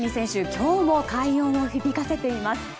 今日も快音を響かせています。